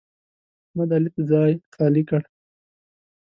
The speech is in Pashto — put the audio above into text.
احمد؛ علي ته ځای خالي کړ.